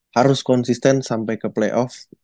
harus konsisten sampai ke playoff